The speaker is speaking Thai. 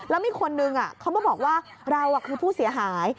แล้วมีคนนึงเขามาบอกว่าเราคือผู้เสียหาย